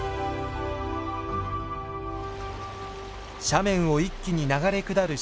斜面を一気に流れ下る